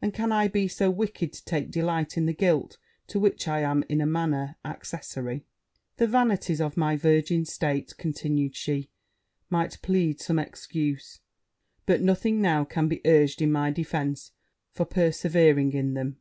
And can I be so wicked to take delight in the guilt to which I am in a manner accessary? 'The vanities of my virgin state,' continued she, 'might plead some excuse; but nothing now can be urged in my defence for persevering in them.